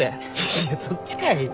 いやそっちかい！